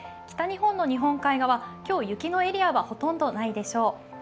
北日本の日本海側、今日、雪のエリアはほとんどないでしょう。